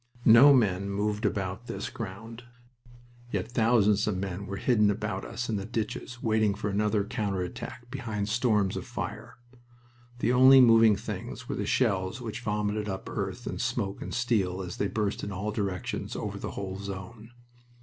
No men moved about this ground. Yet thousands of men were hidden about us in the ditches, waiting for another counter attack behind storms of fire. The only moving things were the shells which vomited up earth and smoke and steel as they burst in all directions over the whole zone.